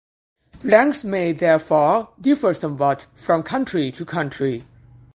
Ranks may, therefore, differ somewhat from country to country.